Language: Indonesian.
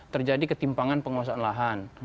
terjadi ketimpangan penguasaan lahan